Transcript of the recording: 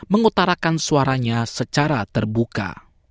mengutarakan suaranya secara terbuka